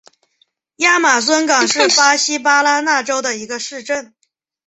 亚马孙港是巴西巴拉那州的一个市镇。